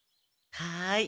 はい。